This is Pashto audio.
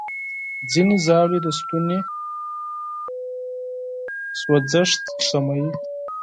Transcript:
ځینې ژاولې د ستوني سوځښت کموي.